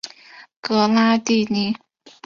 格拉蒂尼。